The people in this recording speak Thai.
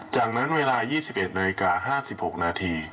จากนั้นเวลา๒๑นาฬิกา๕๖นาที